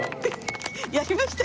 やりました！